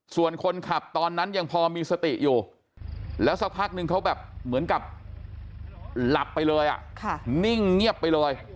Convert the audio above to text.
ส่วนคนขับตอนนั้นยังพอมีสติอยู่แล้วสักพักนึงเขาแบบเหมือนกับหลับไปเลยนิ่งเงียบไปเลย